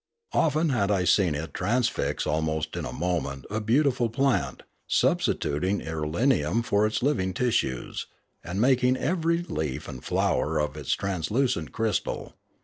Often had I seen it transfix almost in a moment a beautiful plant, substituting irelium for its living tissues, and making every leaf and flower of its translucent crystal.